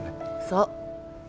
そう。